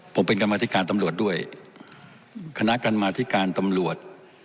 ผมเป็นกรรมธิการตำรวจด้วยคณะกรรมาธิการตำรวจ